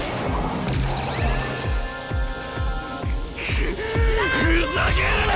くっふざけるな！